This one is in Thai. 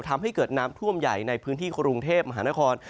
ทำให้เกิดน้ำท่วมใหญ่ในพื้นที่กรุงเทพมหานคร